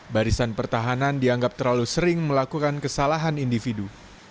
barisan pertahanan dianggap terlalu sering melakukan kesalahan individu